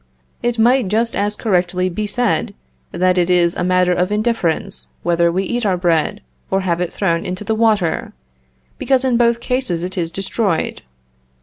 It might just as correctly be said, that it is a matter of indifference whether we eat our bread, or have it thrown into the water, because in both cases it is destroyed.